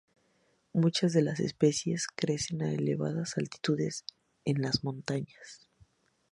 Muchas de las especies crecen a elevadas altitudes en las montañas.